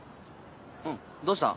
うんどうした？